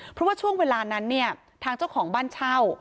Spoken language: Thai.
เพราะว่าช่วงเวลานั้นเนี่ยทางเจ้าของบ้านเช่า